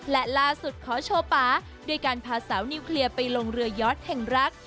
และล่าสุดขอโชว์ป๊าด้วยการพาสาวนิวเคลียร์ไปลงเรือยอดแห่งรัก